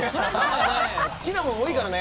好きなもの多いからね。